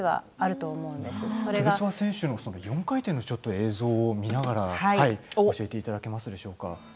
トゥルソワ選手の４回転の映像を見ながら教えていただけますでしょうか。